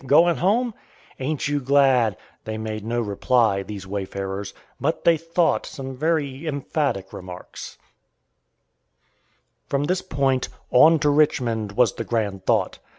going home?" "Ain't you glad!" They made no reply, these wayfarers, but they thought some very emphatic remarks. From this point "On to Richmond!" was the grand thought.